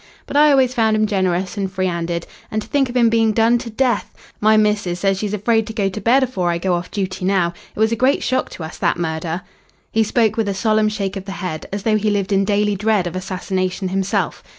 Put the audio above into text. But I always found 'im generous and free 'anded. And to think of 'im being done to death! My missus says she's afraid to go to bed afore I go off duty now. It was a great shock to us, that murder." He spoke with a solemn shake of the head, as though he lived in daily dread of assassination himself.